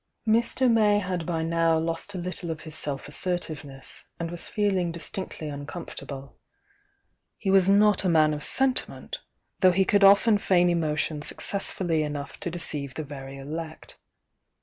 MTMay^ld by now lost a little of his self asser tivenesfaild was'^feeling fti'^fV'Xie could He was not a man of sentiment; though he couiQ StenTeign emotion successfully enough to deceive ?he very elect.